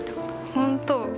本当？